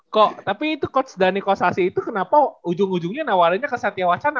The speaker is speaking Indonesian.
kok tapi itu coach dhaniko sasi itu kenapa ujung ujungnya awalnya ke satya wacana